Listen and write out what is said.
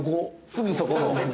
すぐそこの。